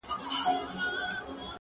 • د هلمند څخه شرنګى د امېلونو,